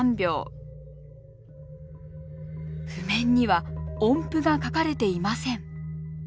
譜面には音符が書かれていません。